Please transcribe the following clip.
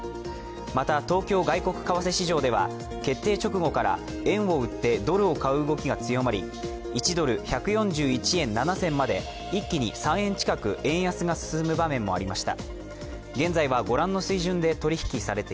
また東京外国為替市場では決定直後から円を売ってドルを買う動きが強まり１ドル＝１４７円７銭まで一気に３円近く円安が進む場面もありました。